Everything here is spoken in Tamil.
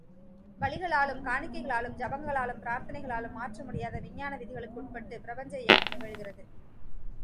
பலிகளாலும், காணிக்கைகளாலும், ஜபங்களாலும், பிரார்த்தனைகளாலும் மாற்றமுடியாத விஞ்ஞான விதிகளுக்குட்பட்டு பிரபஞ்ச இயக்கம் நிகழ்கிறது.